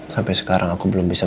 sampai sekarang aku belum bisa